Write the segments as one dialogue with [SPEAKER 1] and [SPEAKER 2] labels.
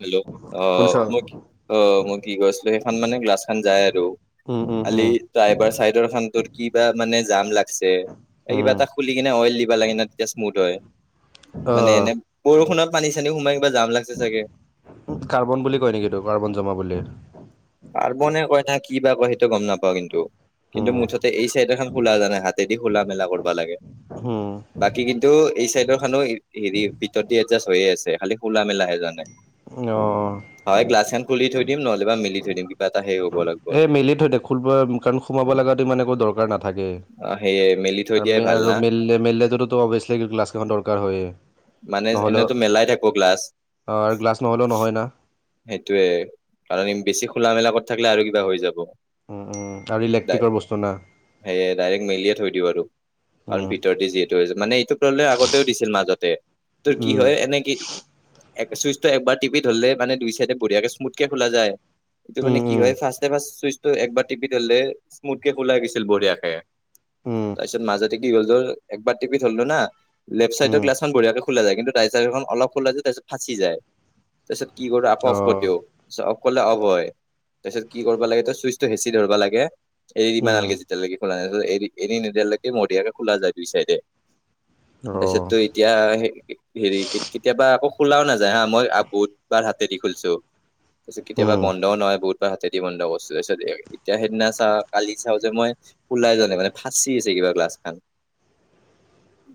[SPEAKER 1] Hello অ
[SPEAKER 2] শুনিছ?
[SPEAKER 1] মই অ মই কি গৈছিলো সেইখন মানে গ্লাছ খান যায় আৰু
[SPEAKER 2] উম, উম,
[SPEAKER 1] কালি
[SPEAKER 2] উম,
[SPEAKER 1] ড্ৰাইভাৰ চাইডৰ এখন তোৰ কিবা মানে জাম লাগ কিবা
[SPEAKER 2] উম,
[SPEAKER 1] এটা খুলি কিনে অইল দিবা লাগে না তেতিয়া স্মুথ হয়। মানে
[SPEAKER 2] অ'।
[SPEAKER 1] এনে বৰষুণত পানী চানী সোমাই কিবা জাম লাগিছে চাগে।
[SPEAKER 2] কাৰ্বন বুলি কয় নেকি এইতো কাৰ্বন জমা বুলি।
[SPEAKER 1] কাৰ্বনে কয় নে কি বা কয় সেইটো গম নাপাও কিন্তু, কিন্তু
[SPEAKER 2] উম,
[SPEAKER 1] মুঠতে এই চাইদ এখন খোলা [unintelligible] দি খোলা মেলা কৰিব লাগে।
[SPEAKER 2] উম।
[SPEAKER 1] বাকী কিন্তু এই চাইডৰ খানো হেৰি ভিতৰত দি এডজাষ্ট হৈয়ে আছে, খালি খোলা মেলা [unintelligible]
[SPEAKER 2] অ'।
[SPEAKER 1] হয় গ্লাছ খ খুলি থৈ দিম, নহলে বা মিলি থৈ দিম কিবা এটা লাগব
[SPEAKER 2] এ
[SPEAKER 1] আৰু
[SPEAKER 2] মেলি থৈ দে, [unintelligible] কাৰণ সোমাব লগাতো ইমান একো দৰকাৰ নাথাকে।
[SPEAKER 1] অ সেয়ে মেলি থৈ দিয়াই ভাল
[SPEAKER 2] আৰু-আৰু
[SPEAKER 1] না
[SPEAKER 2] মেলি-মেলিলেতো অভিয়াচলি গ্লাছখবৰ দৰকাৰ হইয়ে।
[SPEAKER 1] মানে এনেইতো মেলাই থাকো গ্লাছ।
[SPEAKER 2] আৰু গ্লাছ নহ'লেও নহয় না।
[SPEAKER 1] সেইটোয়ে, কাৰণ বেছি খোলা মেলা কৰ থাকিলে আৰু কিবা হৈ যাব।
[SPEAKER 2] উম উম আৰু ইলেক্ট্ৰিকৰ বস্তু না।
[SPEAKER 1] সেয়াই ডাইৰেক্ট মেলিয়ে থৈ দিওঁ আৰু। কাৰণ
[SPEAKER 2] উম,
[SPEAKER 1] ভিতৰ দি যিহটো মানে এইটো প্ৰব্লেম আগতেও দিছিল মাজতে। তোৰ কি
[SPEAKER 2] উম,
[SPEAKER 1] হয় এনে কি এক চুইচটো একবাৰ টিপি ধৰিলে মানেই চাইডে বঢ়িয়াকে স্মুথকে খোলা যায়। এইটো
[SPEAKER 2] উম,
[SPEAKER 1] মানে কি
[SPEAKER 2] উম,
[SPEAKER 1] হয় ফাৰ্ষ্ট এ ফাৰ চুইচটো একবাৰ টিপি থলে স্মুথকে খোলা গৈছিল বঢ়িয়াকে।
[SPEAKER 2] উম,
[SPEAKER 1] তাৰপিছত মাজতে কি হয় গল, একবাৰ টিপি থলো না লেফ্ট চাইডৰ
[SPEAKER 2] উম,
[SPEAKER 1] গ্লাছখন বঢিয়াকৈ খোলা যায় কিন্তু ডাইচাৰখন অলপ খোলা যায়, তাৰ পিচত ফাঁচি যায় তাৰপিছত কি কৰো আক অফ কৰি
[SPEAKER 2] অ'।
[SPEAKER 1] দিওঁ তত অফ কৰলে অফ হয় তাৰপিছত কি কৰিব লাগে ত চুইচটো হেঁচি ধৰিব লাগে এৰি দিব
[SPEAKER 2] উম,
[SPEAKER 1] নালগে যেতিয়ালৈকে খোলা এৰি-এৰি নিদিয়ালৈকে মদিয়াকে খোলা যায় দুই চাইডে। তাৰপিছত
[SPEAKER 2] অ',
[SPEAKER 1] তো এতিয়া হেৰি, কেতিয়াবা আকৌ খোলাও নাযায় হা, মই আ বহুত বাৰ হাতেদি খুলছো, তাৰছত কেতিয়াবা
[SPEAKER 2] উম,
[SPEAKER 1] বন্ধও নহয় বহুত হাতেদি বন্ধ কৰি, এতিয়া সেইদিনা চাওঁ কালি চাও যে মই ওলাই জোৱা নাই মানে ফাঁচি আছে- ক্লাছ খন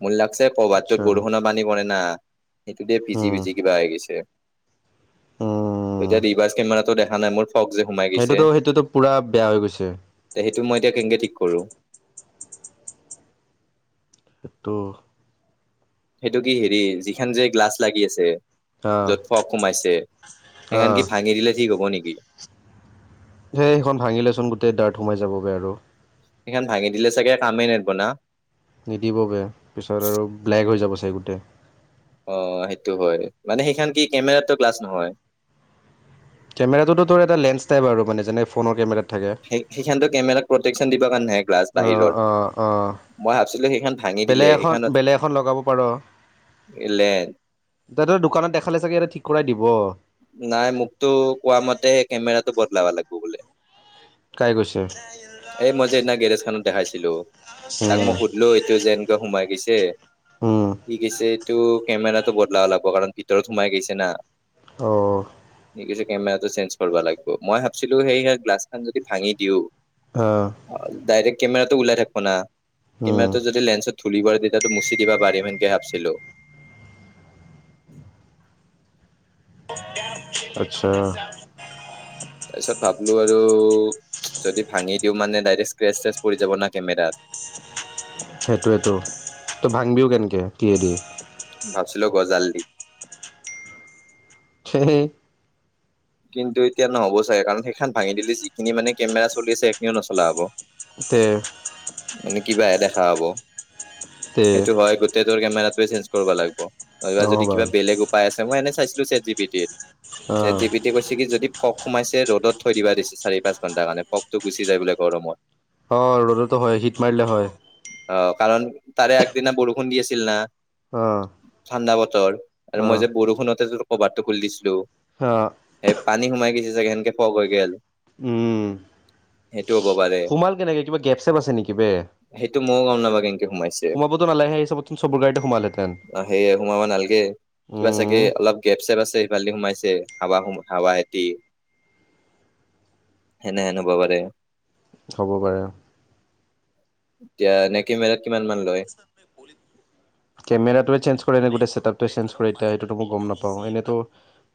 [SPEAKER 1] মোৰ‌ লাগছে অ বাতটোত
[SPEAKER 2] আচ্ছা,
[SPEAKER 1] বৰষুণৰ পানী কৰে না সেইটোতে ভিজি
[SPEAKER 2] উম,
[SPEAKER 1] ভিজি কিবা হৈ গৈছে।
[SPEAKER 2] উম।
[SPEAKER 1] এতিয়া ৰিভাছ কেমেৰাতো দেখা নাই মোৰ ফগ যে সোমাই গৈছে।
[SPEAKER 2] সেইটোতো সেইটোতো পুৰা বেয়া হৈ গৈছে।
[SPEAKER 1] টো মই, এতিয়া কেনেকে ঠিক কৰো?
[SPEAKER 2] টো
[SPEAKER 1] সেইটো কি হেৰি যিখন যে গ্লাছ লাগি আছে
[SPEAKER 2] আহ
[SPEAKER 1] য'ত ফক সোমাইছে, সেইখন
[SPEAKER 2] আহ
[SPEAKER 1] কি ভাঙি দিলে ঠিক হ'ব নেকি?
[SPEAKER 2] সেই সেইখন ভাঙিলেচোন গোটেই দাৰত সোমাই যাবগৈ আৰু
[SPEAKER 1] সেইখন ভাঙি দিলে চাগে, কামেই নেদব না?
[SPEAKER 2] নিদিব বে পিছত আৰু ব্লেক হৈ যাব গোতে
[SPEAKER 1] অ, সেইটো হয় মানে সেইখন কি কেমেৰাটো গ্লাছ নহয়
[SPEAKER 2] কেমেৰাটোতো তোৰ এটা লেন্ঞ্চ টাইপ আৰু মানে যেনেকে ফোনৰ কেমেৰা
[SPEAKER 1] সেই সেইখানটো কেমেৰাত প্ৰটেকশচন দিব কাৰণে নে গ্ৰাছ
[SPEAKER 2] অ
[SPEAKER 1] বাহিৰৰ
[SPEAKER 2] অ অ',
[SPEAKER 1] মই ভাবছিলো সেইখন ভাঙি দিলে
[SPEAKER 2] বেলেগ এখন
[SPEAKER 1] সেইখনত
[SPEAKER 2] বেলেগ এখন লগাব পাৰ
[SPEAKER 1] লেন
[SPEAKER 2] দ দোকানত দেখালে চাগে এতে ঠিক কৰাই দিব।
[SPEAKER 1] বদলাবা লাগিব বোলে।
[SPEAKER 2] কাই কৈছ?
[SPEAKER 1] এ মই যে সিদিনা গেৰেজ খানত দেখাইছিলো। তাক
[SPEAKER 2] উম
[SPEAKER 1] মই সুধিলো এইটো যে এনেকুৱা সোমাই গৈছে
[SPEAKER 2] উম
[SPEAKER 1] কি গৈছে টো কেমেৰাটো বদলাব লাগিব কাৰণ ভিতৰত সোমাই গৈছে না
[SPEAKER 2] অ',।
[SPEAKER 1] কেমেৰাটো চেঞ্জ কৰিব লাগিব মই ভাবছিলোঁ সেই গ্লাছখন যদি ভাঙি দিওঁ
[SPEAKER 2] অ
[SPEAKER 1] ডাইৰেক্ট কেমেৰাতটো ওলাই থাকিব না
[SPEAKER 2] উম
[SPEAKER 1] কেমেৰাটো যদি লেন্সত ধুলি প দিতাতটো মুছি দি বা বাৰী মেকে ভাবিছিলো [inaudible]
[SPEAKER 2] আচ্ছা।
[SPEAKER 1] তাৰ পিছত ভাবলো আৰু যদি ভাঙি দিওঁ মানে ডাইৰেক্ট স্ক্ৰেছ চ্ৰেছ পৰি যাব না কেমেৰাৰ
[SPEAKER 2] সেইটোৱো তো ভাংবিও কেনেকৈ কি এদি
[SPEAKER 1] ভাবছিলো গজাল দি
[SPEAKER 2] হে [unintelligible]
[SPEAKER 1] কিন্তু এতিয়া নহ'ব চাগে কাৰণ সেইখন ভাঙি দিলে যিখিনি মানে কেমেৰা চলি আছে সেইখিনিও নচলা হ'ব
[SPEAKER 2] তে
[SPEAKER 1] মানে কিবাহে দেখা হব
[SPEAKER 2] তে
[SPEAKER 1] সেইটো হয় গোটেই তোৰ কেমেৰাটোৱে চেঞ্জ কৰিব লাগিব। নহবা যদি কিবা বেলেগ উপায় আছে মই এনে চাইছিলো চেট জি বি টিত
[SPEAKER 2] আহ।
[SPEAKER 1] তেতিয়া কৈছে কি যদি ফগ সোমাইছে ৰ'দত থৈ দিবা দিছে চাৰি পাঁচ ঘণ্টাৰ কাৰণে ফকতটো গুচি যায় গৰমত
[SPEAKER 2] অ', ৰ'দতো হয় হিট মাৰিলে হয়।
[SPEAKER 1] অ', কাৰণ তাৰে আগদিনা বৰষুণ দি আছিল না।
[SPEAKER 2] অ'
[SPEAKER 1] ঠাণ্ডা বতৰ আৰু
[SPEAKER 2] অ'
[SPEAKER 1] মই যে বৰষুণতেৰ কভাৰটো খুলি দিছিলো।
[SPEAKER 2] [unintelligible]
[SPEAKER 1] সেই পানী সোমাই গৈছে চাগে সেনকে ফগ হৈ গল
[SPEAKER 2] উম
[SPEAKER 1] সেইটো টো হ'ব পাৰে
[SPEAKER 2] সোমাল কেনেকে কিবা গেপ চেপ আছে নেকি বে
[SPEAKER 1] সেইটো ময়ও গম নাপা সোমাইছে
[SPEAKER 2] সোমাবতো নালাগে সেই হিচাপতচোন চবৰ গাড়ীতে সোমালহেঁতেন
[SPEAKER 1] সেয় সোমাবা নালগে। কিবা চাগে
[SPEAKER 2] উম
[SPEAKER 1] অলপ গেপ চেপ আছে সিফালদি সোমাইছে। হাৱাম হাৱা হেতি সেনে হেন হ'ব পাৰে।
[SPEAKER 2] হ'ব পাৰে।
[SPEAKER 1] তেতিয়া নে কেমেৰা
[SPEAKER 2] কেমেৰাটোয়ে চেঞ্জ কৰে নাই গোটে ছেটআপ এই চেঞ্জ কৰি দিয়া সেইটো তো মই গম নাপাওঁ এনেতো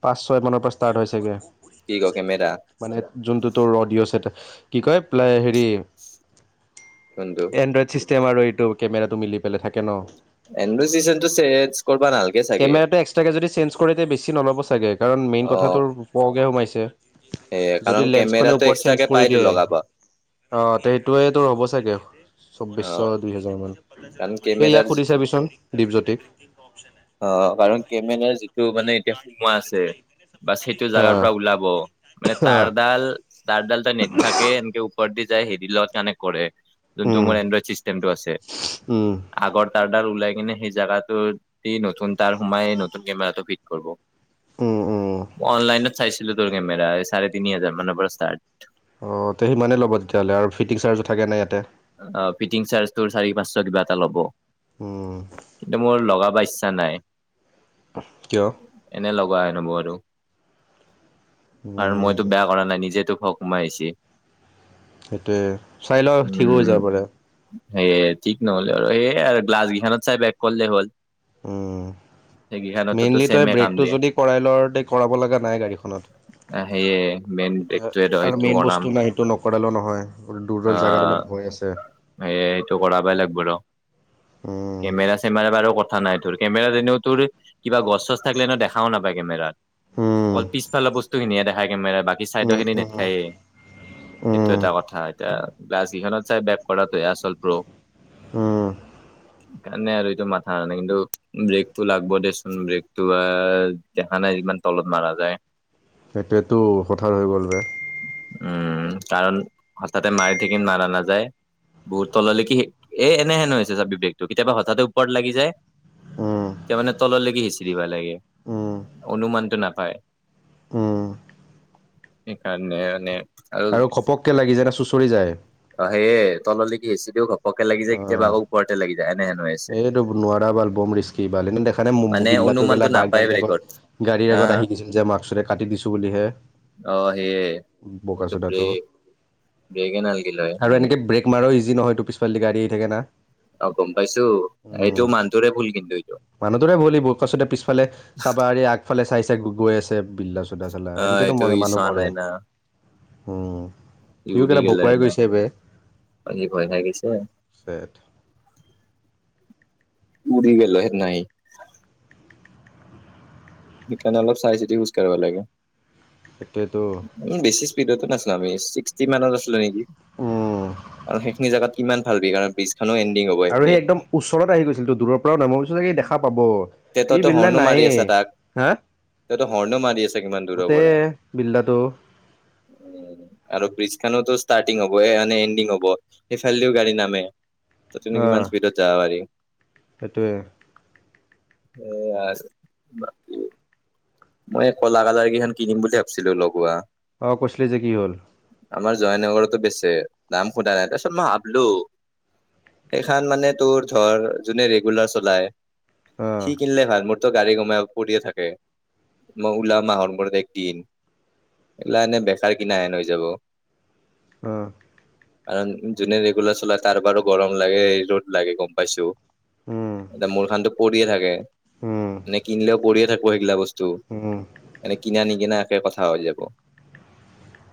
[SPEAKER 2] পাঁচ ছয় মানৰ পৰা ষ্টাৰ্ট হৈছে গে
[SPEAKER 1] কি ক কেমেৰা
[SPEAKER 2] মানে যোনটো তোৰ অডিও চেটেপ কি কয় হেৰি
[SPEAKER 1] কোনটো
[SPEAKER 2] এণ্ড্ৰইড ছিষ্টেম আৰু এই কেমেৰাটো মিলি পেলাই থাকে ন।
[SPEAKER 1] এণ্ড্ৰইড চিচনটো চেঞ্জ কৰবা নালগে চাগে
[SPEAKER 2] কেমেৰাটো এক্সট্ৰাকে যদি চেঞ্জ কৰি দে তেতিয়া বেছি নল'ব চাগে কাৰণ মেইন
[SPEAKER 1] অ'
[SPEAKER 2] কথাটো পহকৈ সোমাইছে।
[SPEAKER 1] এ কাৰণ
[SPEAKER 2] যদি লেন্সখনে
[SPEAKER 1] কেমেৰাটো
[SPEAKER 2] ওপৰত
[SPEAKER 1] এক্সট্ৰাকে
[SPEAKER 2] চেঞ্জ কৰি
[SPEAKER 1] পাইতো
[SPEAKER 2] দিয়ে।
[SPEAKER 1] লগাব
[SPEAKER 2] অ সেইটোয়ে তোৰ হ'ব চাগে।
[SPEAKER 1] অ
[SPEAKER 2] চৌব্বিশো দুই হেজাৰ মান।
[SPEAKER 1] কাৰণ
[SPEAKER 2] এই
[SPEAKER 1] কেমেৰাৰ
[SPEAKER 2] ইয়াক সুধি চাবিচোন দীপজ্যোতিক।
[SPEAKER 1] অ কাৰণ কেমেৰা যিটো মানে এতিয়া সোমোৱা আছে বাচ সেইটো জোগাৰ
[SPEAKER 2] অ'।
[SPEAKER 1] পৰা ওলাব। মানে তাঁৰ ডাল তাঁৰ ডাল ত নেট থাকে এনেকে ওপৰত দি যায় হেৰি লগত কনেক্ত কৰে। যোনটো
[SPEAKER 2] উম,
[SPEAKER 1] মোৰ এণ্ড্ৰইড চিষ্টেমটো আছে
[SPEAKER 2] উম,
[SPEAKER 1] আগত তাৰডাল ওলাই কিনে সেই জাগাটো দি নতুন তাৰ সোমাই নতুন কেমেৰাটো ফিট কৰব।
[SPEAKER 2] উম, উম।
[SPEAKER 1] অনলাইনত চাইছিলো তোৰ কেমেৰা চাৰে তিনি হাজাৰ মানৰ পৰা ষ্টাৰ্ট।
[SPEAKER 2] অ', তেয়া সিমানেই ল'ব তেতিয়া হ'লে আৰু ফিটিং চাৰ্জ থাকে নাই ইয়াতে।
[SPEAKER 1] ফিটিং চাৰজটো চাৰি পাঁচশ কিবা এটা ল'ব
[SPEAKER 2] উম,
[SPEAKER 1] কিন্তু মোৰ লগাবা ইচ্ছা চা নাই
[SPEAKER 2] কিয়?
[SPEAKER 1] এনে লগোৱা হেন হ'ব আৰু আৰু মইতো
[SPEAKER 2] উম,
[SPEAKER 1] বেয়া কৰা নাই নিজেই তোক [unintelligible] সোমাইছিল।
[SPEAKER 2] সেইটোয়ে চাই লও ঠিকো হৈ যাব পাৰে।
[SPEAKER 1] সেয়ে ঠিক নহলে আৰু এই গ্লাছ কিখনত চাই বেক কৰিলে হ'ল।
[SPEAKER 2] উম
[SPEAKER 1] সেইকেইখনততো
[SPEAKER 2] মেইনলি তই
[SPEAKER 1] চেমে কাম
[SPEAKER 2] ব্ৰেকটো
[SPEAKER 1] দিয়ে
[SPEAKER 2] যদি কৰাই ল কৰাব লগা নাই গাড়ীখনত।
[SPEAKER 1] সেয়ে মেইন
[SPEAKER 2] তেতিয়া
[SPEAKER 1] ব্ৰেকটোৱে ৰ
[SPEAKER 2] তাৰ মেইন বস্তু নাই সেইটো নকৰালো নহয়।
[SPEAKER 1] অ
[SPEAKER 2] দূৰৰ জেগাত অলপ ভয় আছে
[SPEAKER 1] এইটো কৰা বেলেগ বাৰু
[SPEAKER 2] উম
[SPEAKER 1] কেমেৰা চেমেৰা বাৰু কথা নাই ধৰি কেমেৰাত এনেও তোৰ কিবা গছ চছ থাকিলে মানে দেখাও নাপায় কেমেৰাত
[SPEAKER 2] উম
[SPEAKER 1] অল পিছফালৰ বস্তুখিনিয়ে দেখা কেমেৰাত বাকী চাইদৰ
[SPEAKER 2] উম
[SPEAKER 1] খিনি
[SPEAKER 2] উম
[SPEAKER 1] নেথখায়েই নাই এইটো
[SPEAKER 2] উম
[SPEAKER 1] এটা কথা। এ গ্লাছ ইখনত চাই বেক কৰাটো হে আচল প্ৰ।
[SPEAKER 2] [unintelligible]
[SPEAKER 1] কাৰণে আৰু এইটো মাথা নাই কিন্তু ব্ৰেকটো লাগব দেচোন ব্ৰেকটো দেখা নাই ইমান তলত মাৰা যায়
[SPEAKER 2] সেইটোৱেতো হঠাৎ হৈ গ'ল বে।
[SPEAKER 1] উম কাৰণ হঠাতে মাৰি থাকি মাৰা নাযায়। বহুত তললৈকে এ এনে হেন হৈছে চাবি ব্ৰেকটো কেতিয়াবা হঠাতে ওপৰত লাগি যায়
[SPEAKER 2] উম
[SPEAKER 1] [unintelligible] মানে তললৈকে সিঁচি দিবা লাগে
[SPEAKER 2] উম
[SPEAKER 1] অনুমানটো নাপায়।
[SPEAKER 2] উম
[SPEAKER 1] এই কাৰণে মানে
[SPEAKER 2] আৰু ঘপককে লাগি যায় না চুঁচৰি যায়।
[SPEAKER 1] অ সেই তললৈকি সেঁচি দিও ঘপকে লাগি যায়
[SPEAKER 2] অ
[SPEAKER 1] কেতিয়াবা আকৌ ওপৰতে লাগি যায়। এনেহেন হৈ আছে
[SPEAKER 2] এইটো নোৱাৰা ভাল বম ৰিস্কি ভাল কিন্তু দেখা নাই
[SPEAKER 1] মানে
[SPEAKER 2] বিলাটো
[SPEAKER 1] অনুমানটো
[SPEAKER 2] গেলা বাইত
[SPEAKER 1] নাপায় ব্ৰেকত
[SPEAKER 2] গাড়ীৰ
[SPEAKER 1] হা
[SPEAKER 2] আগত
[SPEAKER 1] হা
[SPEAKER 2] আহি গিছিল যে মাক্ক চটোৰে কাটি দিছো বুলিহে
[SPEAKER 1] অ সেই
[SPEAKER 2] বগা
[SPEAKER 1] ম
[SPEAKER 2] চোদাটো
[SPEAKER 1] ব্ৰেক ব্ৰেক নাল গ
[SPEAKER 2] আৰু এনেক বে মাৰ ইজি নহয়ত পিছফালে গাড়ী আহ থাকে ন
[SPEAKER 1] অ গম পাইছো
[SPEAKER 2] উম
[SPEAKER 1] এইটো মানুহটোৰে ভুল কিন্তু এইটো
[SPEAKER 2] মানুহটোৰে ভলি ব কছতে পিছফালে চাবা আৰি আগফাল চাই চাই গৈ আছে বিল্লা চো চালা
[SPEAKER 1] অ
[SPEAKER 2] এনেকেতো
[SPEAKER 1] এইটো
[SPEAKER 2] মৰে
[SPEAKER 1] ই
[SPEAKER 2] মানুহ
[SPEAKER 1] চোৱা
[SPEAKER 2] মৰে
[SPEAKER 1] নাই না
[SPEAKER 2] উম
[SPEAKER 1] ই
[SPEAKER 2] সিও
[SPEAKER 1] উৰি
[SPEAKER 2] কেলা বকুৱাই
[SPEAKER 1] গলেনা
[SPEAKER 2] গৈছে বে
[SPEAKER 1] অ কি ভয় খ গৈছে [inaudible]
[SPEAKER 2] চেট
[SPEAKER 1] উৰি গলো সে নাই সেইকাৰণে অলপ চাই চিতি খোজ কৰিব লাগে
[SPEAKER 2] সেইটোৱেতো
[SPEAKER 1] সড নাছিল আমি [unintelligible] আছিলো নেকি
[SPEAKER 2] উম
[SPEAKER 1] আৰু সেইখিনি জোত কিমান ভাল বি
[SPEAKER 2] আৰু সেই একদম ওচৰত আহি গৈছিলতো দূৰৰ পৰাও নাই মই ভাবিছো চাগে সেই দেখা পাব।
[SPEAKER 1] তে
[SPEAKER 2] এই
[SPEAKER 1] তইতো
[SPEAKER 2] বিলা
[SPEAKER 1] হৰ্ণো মাৰি
[SPEAKER 2] নাইে,
[SPEAKER 1] আছা তাক
[SPEAKER 2] হা?
[SPEAKER 1] তইতো হৰ্ণো মাৰি আছা কিমান
[SPEAKER 2] তট, বিল্লাটো।
[SPEAKER 1] উ আৰু ব্ৰিজ খানওো ষ্টাৰ্টিং হব, এণ্ডিং হব সফাল দিও গাড়ী নামে। ত তুমি কিমান স্পীডত যাব পাৰি?
[SPEAKER 2] সেইটোৱেই।
[SPEAKER 1] এ বাকি মই কলা কালাৰ কেইখন কিনিম বুলি ভাবিছিলো লগোৱা।
[SPEAKER 2] অ কৈছিলি যে কি হল
[SPEAKER 1] আমাৰ জয়নগৰতো বেছে নাম সোধা নাই তাৰপিছত মই ভাবলো সেইখান মানে তোৰ ধৰ যোনে ৰেগুলাৰ চলাই
[SPEAKER 2] অ
[SPEAKER 1] সি কিনিল ভাল মূৰটো গাড়ী কিনিলে পৰিয়ে থাকে মই ওলা মাহৰ মূৰত একদিন এইিলা এনে বেকাৰ কিনাহেন হৈ যাব
[SPEAKER 2] অ
[SPEAKER 1] কাৰণ যোনে ৰেগুলাৰ চলাই তাৰ বাৰো গৰম লাগে ৰ'দ লাগে গম পাইছো
[SPEAKER 2] উম
[SPEAKER 1] এয়া মূোৰ খানটো পৰিয়ে থাকে
[SPEAKER 2] উম
[SPEAKER 1] মে কিনিলেও পৰিয়ে থাকো সেইগিলা বস্তু
[SPEAKER 2] উম
[SPEAKER 1] এনে কিনা নিকিনা একে কথা হৈ যাব।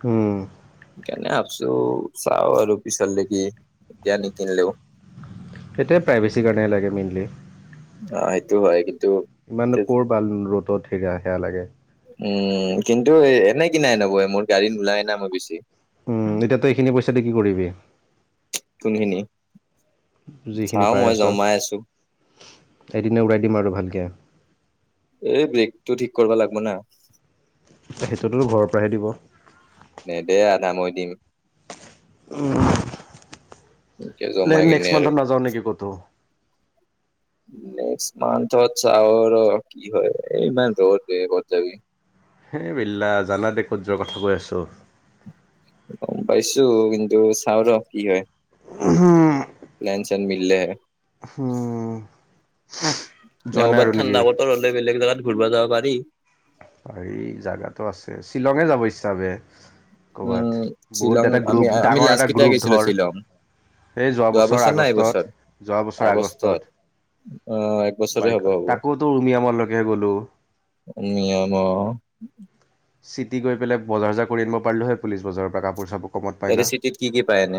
[SPEAKER 2] উম।
[SPEAKER 1] কেনে ভাবছো চাও আৰু পিছত দেকি এতিয়া নিকিনিলেও।
[SPEAKER 2] তেতিয়া প্ৰাইভেচিৰ কাৰণে লাগে মেইনলি।
[SPEAKER 1] অ' এইটো হয় কিন্ত্ত।
[SPEAKER 2] ইমান কৰবাল ৰ'দত সেগা সেয়া লাগে।
[SPEAKER 1] উম কিন্তু এনেই কিনা হেন হব মোৰ গাড়ীত নোলাই না মই বেছি।
[SPEAKER 2] উম এতিয়া তই এইখিনি পইচাটো কি কৰিবি?
[SPEAKER 1] [unintelligible]
[SPEAKER 2] যিখিনি
[SPEAKER 1] চাও
[SPEAKER 2] পাই
[SPEAKER 1] মই
[SPEAKER 2] আছ,
[SPEAKER 1] জমাই আছো
[SPEAKER 2] এদিনে উলাই দিম আৰু ভালকে।
[SPEAKER 1] এই ব্ৰেকটো ঠিক কৰিব লাগিব না।
[SPEAKER 2] সেইটোততো ঘৰৰ পৰাহে দিব।
[SPEAKER 1] নেদে আদা মই দিম।
[SPEAKER 2] উম।
[SPEAKER 1] এতিয়া জমাই
[SPEAKER 2] নেক্সট
[SPEAKER 1] কিনে আৰু
[SPEAKER 2] মান্থত নাযাও নেকি ক'তো?
[SPEAKER 1] নেক্সট মান্থত চাও ৰ কিবা কৰো, এই ইমান ৰ'দ দে কত যাবি।
[SPEAKER 2] হেই [unintelligible] জান দে কূৰ্যৰ কথা কৈ আছোঁ।
[SPEAKER 1] গম পাইছো কিন্তু চাও ৰ কি হয়। মিল হে।
[SPEAKER 2] উম। যোৱা নাই
[SPEAKER 1] নাওমান
[SPEAKER 2] আৰু নেকি?
[SPEAKER 1] ঠাণ্ডা বতৰ হলে বেলেগ জেগাত ঘূৰিব যাব পাৰি।
[SPEAKER 2] হেৰি জাগাটো আছে শ্বিলঙে যাব ইচ্ছাবে।
[SPEAKER 1] উম, শ্বিলং আমি
[SPEAKER 2] গ্ৰুপ,
[SPEAKER 1] আমি
[SPEAKER 2] ডাঙৰ
[SPEAKER 1] লাষ্ট
[SPEAKER 2] এটা
[SPEAKER 1] কেতিয়া
[SPEAKER 2] গ্ৰুপ
[SPEAKER 1] গেছিলো
[SPEAKER 2] ধৰ,
[SPEAKER 1] শ্বিলং?
[SPEAKER 2] এই
[SPEAKER 1] যোৱা বছৰ না
[SPEAKER 2] আগষ্টত
[SPEAKER 1] এইবছৰ?
[SPEAKER 2] যোৱা বছৰ
[SPEAKER 1] আগষ্টত। অ', এক বছৰে
[SPEAKER 2] বাইকত,
[SPEAKER 1] হ'ব হ'ব।
[SPEAKER 2] তাকোতো উমিয়ামলৈকে গ'লো।
[SPEAKER 1] নিয়ম ন।
[SPEAKER 2] চিটি গৈ পেলে বজাৰ চজাৰ কৰি আনব' পাৰলো হৈ পুলিচ বজাৰৰ পৰা কাপোৰ চাপো কমত পাই
[SPEAKER 1] তাৰে
[SPEAKER 2] না?
[SPEAKER 1] চিটিত কি কি পায় এনে?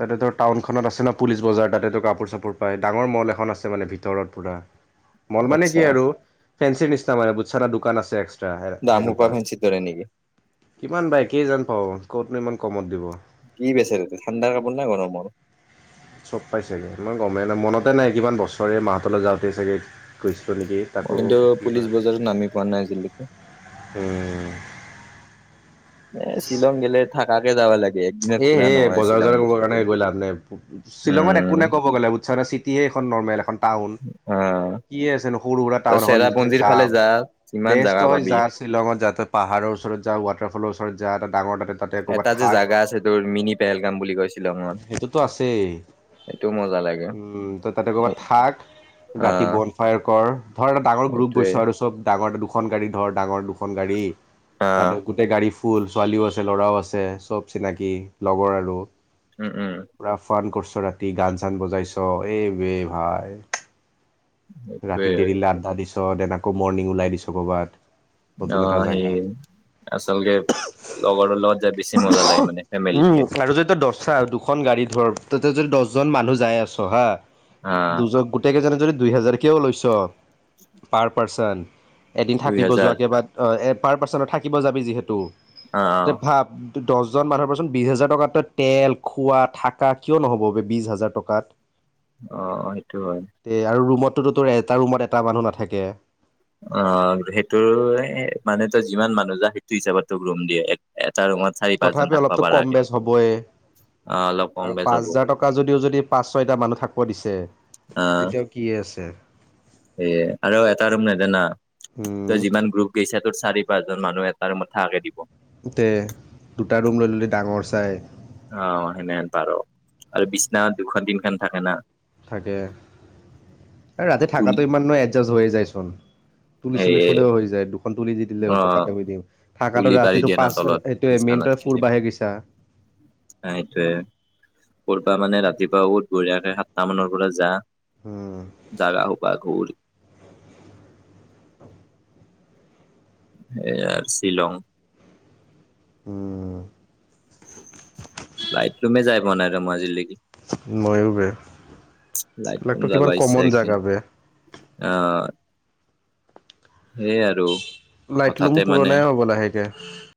[SPEAKER 2] তাতে তৰ টাউনখনত আছেনা পুলিচ বজাৰ তাতেতো কাপোৰ চাপোৰ পাই ডাঙৰ মল এখন আছে মানে ভিতৰত পুৰা। মল মানে
[SPEAKER 1] আচ্ছা
[SPEAKER 2] কি আৰু, ফেঞ্চিৰ নিচিনা মানে বুছনা দোকান আছে এক্সট্ৰা।
[SPEAKER 1] দাম সোপা
[SPEAKER 2] সেনেকুৱা,
[SPEAKER 1] ফেঞ্চিত ধৰে নেকি?
[SPEAKER 2] কিমান বাই কেই জন পাওঁ কতনো ইমান কমত দিব
[SPEAKER 1] কি বেচে তাতে ঠাণ্ডাৰ কাপোৰ না গৰমৰ?
[SPEAKER 2] চব পাই চাগে, মই গমেই নাই মনতে নাই কিমান বছৰে মাহঁতলৈ যাওঁতেই চাগে গৈছলো নেকি
[SPEAKER 1] মই কিন্তু
[SPEAKER 2] তাক' কিবা,
[SPEAKER 1] পুলিচ বজাৰত নামি পোৱা নাই আজিলৈকে।
[SPEAKER 2] উম
[SPEAKER 1] এ, শ্বিলং গেলে থাকাকে যাবা লাগ
[SPEAKER 2] এ, হে, বজাৰ চজাৰ একো কৰা নাই গৈ লাভ নাই, শ্বিলঙত একো
[SPEAKER 1] উম
[SPEAKER 2] নে ক'ব গ'লে বুচ্চানে ছি তিয়ে এখন নৰ্মেল এখন। টাউন
[SPEAKER 1] অ
[SPEAKER 2] কিয়ে আছে ন' সৰু সুৰা
[SPEAKER 1] তই
[SPEAKER 2] টাউন এখন নিজে
[SPEAKER 1] চেৰাপুঞ্জিৰ ফালে
[SPEAKER 2] যাম।
[SPEAKER 1] যা ইমান
[SPEAKER 2] বেষ্ট
[SPEAKER 1] জাগা
[SPEAKER 2] তই
[SPEAKER 1] পাবি।
[SPEAKER 2] যা শ্বিলঙত যা তই পাহাৰৰ ওচৰত যা ৱাট কেফালৰ ওচৰত যা ডাঙৰ তাতে তাতে
[SPEAKER 1] এটা
[SPEAKER 2] ক'ৰবাত
[SPEAKER 1] যে
[SPEAKER 2] থাক।
[SPEAKER 1] জাগা আছে তোৰ মিনি পেহেলগাম বুলি কৈ শ্বিলংট।
[SPEAKER 2] সেইটোতো আছেই উম, তই তাতে কবাত থাক। ৰাতি
[SPEAKER 1] অ'
[SPEAKER 2] বন ফায়াৰ কৰ, ধৰ ডাঙৰ গ্ৰুপ
[SPEAKER 1] সেইটোৱে
[SPEAKER 2] গৈছ আৰু চব ডাঙৰ দুখন গাড়ী ধৰ ডাঙৰ দু দুখন গাড়ী তাতে
[SPEAKER 1] অ'
[SPEAKER 2] গোটেই গাড়ী ফুল, ছোৱালীও আছে ল'ৰাও আছে, চব চিনাকি লগৰ আৰু,
[SPEAKER 1] উম উম
[SPEAKER 2] পুৰা ফান কৰছ ত' ৰাতি গান চান বজাইছ' এ, বে ভাই।
[SPEAKER 1] সেইটোৱে
[SPEAKER 2] ৰাতি দেৰিলে আড্ডা দিছ' দেন আকৌ মৰ্ণিং ওলাই দিছ' কৰ'বাত। নতুন এটা
[SPEAKER 1] অ',
[SPEAKER 2] জেগাত
[SPEAKER 1] সেয়ে আচল গে
[SPEAKER 2] উম,
[SPEAKER 1] ফেমিলিতকে।
[SPEAKER 2] আৰু যেতা দচচা দুখন গাড়ী ধৰ। তহঁতে যদি দচজন মানুহ যাই আছ' হা
[SPEAKER 1] অ'
[SPEAKER 2] দুজক গোটেই কেইজনে যদি দুই হাজাৰ কিয়ও লৈছ পাৰ পাৰ্চন এদিন থাকিব
[SPEAKER 1] দুইহেজাৰ
[SPEAKER 2] যোৱাকে বাত আ, এপ পাৰ পাৰ্চনত থাকিব যাবি যিহেতু।
[SPEAKER 1] অ
[SPEAKER 2] তে ভাব দহজন মানুহৰ পৰা চোন বিজ হাজাৰ টকাত তই তেল খোৱা থাকা কিয় নহ'ব বে বিজ হাজাৰ টকাত।
[SPEAKER 1] অ', সেইটো হয়।
[SPEAKER 2] তো-তোৰ এটা ৰুমত এটা মানুহ নাথাকে।
[SPEAKER 1] অ সেইটোৰে মানে তই যিমান মানুহ যা সেইটো হিচাপত তোক ৰুম দিয়ে। এটা ৰুমত চাৰি পাঁচজন
[SPEAKER 2] তথাপি
[SPEAKER 1] থাকবা
[SPEAKER 2] অলপতো কম
[SPEAKER 1] পাৰাকে
[SPEAKER 2] বেচ হবয়ে।
[SPEAKER 1] অ অলপ কম
[SPEAKER 2] আৰু
[SPEAKER 1] বেচ
[SPEAKER 2] পাঁচ
[SPEAKER 1] হ'ব
[SPEAKER 2] হাজাৰ টকা যদিও যদি পাঁচ ছয়টা মানুহ থাকব' দিছে। তেতিয়াও কি আছে?
[SPEAKER 1] এ আৰু এটা ৰুম নে দে না
[SPEAKER 2] উম
[SPEAKER 1] তই যিমান গ্ৰুপ গেছা তোৰ চাৰি পাঁচজন মানুহ এট তাৰো মোথা কে দিব।
[SPEAKER 2] তে দুটা ৰুম লৈ ললি ডাঙৰ চাই।
[SPEAKER 1] অ সেনে সেন পাৰ আৰু বিছনা দুখন তিনখন থাকে না।
[SPEAKER 2] থাকে। এ ৰাতি
[SPEAKER 1] তুল
[SPEAKER 2] থাকাটো ইমান নো এডজাষ্ট হৈয়ে যাইচোন। তুলি
[SPEAKER 1] এই
[SPEAKER 2] চুলিত শুলেও হৈ যায় দুখন তুলি দি দিলে
[SPEAKER 1] অ
[SPEAKER 2] হল পকাত নামি দিম থাকাটো
[SPEAKER 1] তুলি পাৰি
[SPEAKER 2] ৰাতিটো
[SPEAKER 1] দিয়ে না
[SPEAKER 2] পাঁচ
[SPEAKER 1] তলত
[SPEAKER 2] এইটোৱে মে কিন্তৰ ফুুৰবাহে গিছা।
[SPEAKER 1] আ এইটোয়ে কৰ'পা মানে ৰাতিপুৱা উঠ বঢ়িয়াকে সাতটা মানৰ পৰা যা।
[SPEAKER 2] উম
[SPEAKER 1] জাগা হোপা ঘূৰ। সেয়ে আৰ শ্বিলং।
[SPEAKER 2] উম।
[SPEAKER 1] লাইট ৰুমে যাই পোৱা নাই ত মাজিলেকি
[SPEAKER 2] ময়ো বে,
[SPEAKER 1] লাইট
[SPEAKER 2] লেক
[SPEAKER 1] লুম
[SPEAKER 2] ত কিমান
[SPEAKER 1] যাবা ইচ্ছা
[SPEAKER 2] কমন
[SPEAKER 1] একদিন
[SPEAKER 2] জেগা বে।
[SPEAKER 1] আহ। সেইয়াই আৰু
[SPEAKER 2] লাইটলুম
[SPEAKER 1] হঠাতে মানে
[SPEAKER 2] পুৰণা হ'ব লাহেকে।